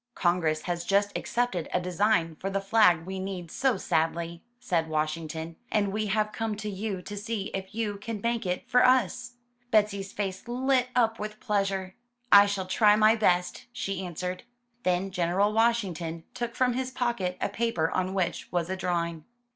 ''Congress has just accepted a design for the flag we need so sadly,'* said Washington, ''and we have come to you to see if you can make it for us.'* Betsy's face lit up with pleasure. "I shall try my best," she answered. Then General Washington took from his pocket a paper on which was a drawing.